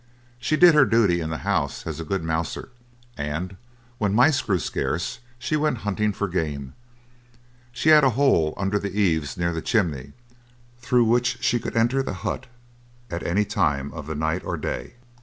She did her duty in the house as a good mouser, and when mice grew scarce she went hunting for game; she had a hole under the eaves near the chimney, through which she could enter the hut at any time of the night or day.